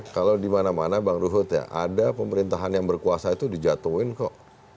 kalau di mana mana bang ruhut ya ada pemerintahan yang berkuasa itu dijatuhin kok